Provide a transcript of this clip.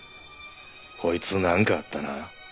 こいつなんかあったな？